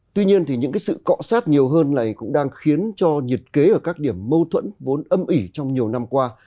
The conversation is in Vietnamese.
tuy nhiên thì những cái sự cọ sát nhiều hơn này cũng đang khiến cho nhiệt kế ở các điểm mâu thuẫn vốn âm ỉ trong nhiều năm qua